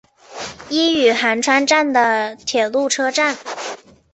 伊予寒川站的铁路车站。